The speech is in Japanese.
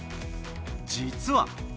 実は。